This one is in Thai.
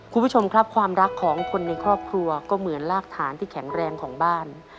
คุณผู้ชมครับความรักของคนในครอบครัวก็เหมือนรากฐานที่แข็งแรงของบ้าน